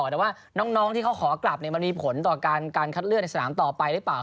แต่ว่าน้องที่เขาทะกรับเนี่ยมันมีผลต่อการคัดเลือดสถามต่อไปไปหรือเปล่า